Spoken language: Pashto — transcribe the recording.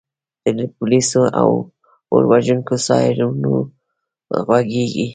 د پولیسو او اور وژونکو سایرنونه غږیږي